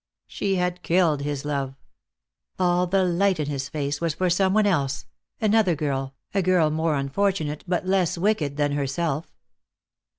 She had killed his love. All the light in his face was for some one else, another girl, a girl more unfortunate but less wicked than herself.